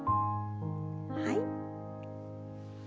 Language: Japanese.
はい。